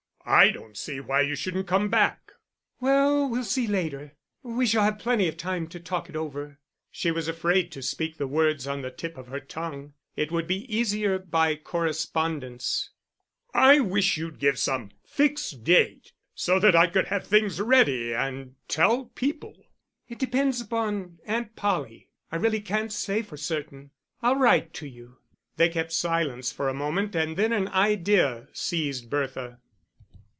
I don't see why you shouldn't come back." "Well, we'll see later. We shall have plenty of time to talk it over." She was afraid to speak the words on the tip of her tongue; it would be easier by correspondence. "I wish you'd give some fixed date so that I could have things ready, and tell people." "It depends upon Aunt Polly; I really can't say for certain. I'll write to you." They kept silence for a moment and then an idea seized Bertha.